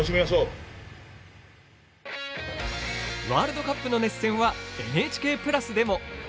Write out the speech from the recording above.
ワールドカップの熱戦はＮＨＫプラスでも。